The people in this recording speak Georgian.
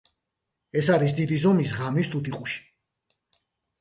ეს არის დიდი ზომის ღამის თუთიყუში.